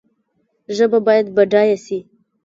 ژبه باید بډایه سي